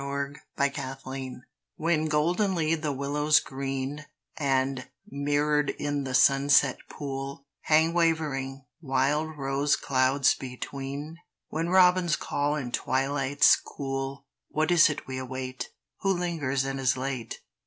WHEN WILLOWS GREEN When goldenly the willows green, And, mirrored in the sunset pool, Hang wavering, wild rose clouds between: When robins call in twilights cool: What is it we await? Who lingers and is late?